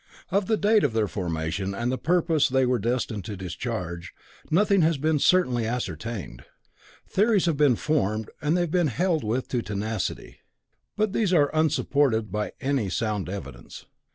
Of the date of their formation and the purpose they were destined to discharge, nothing has been certainly ascertained. Theories have been formed, and have been held to with tenacity, but these are unsupported by sound evidence.